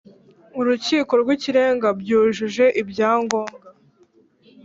Urukiko rw Ikirenga byujuje ibyangombwa